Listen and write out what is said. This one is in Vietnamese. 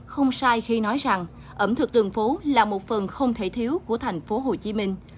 không sai khi nói rằng ẩm thực đường phố là một phần không thể thiếu của thành phố hồ chí minh